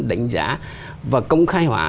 đánh giá và công khai hóa